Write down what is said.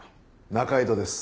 仲井戸です。